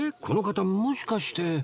この方もしかして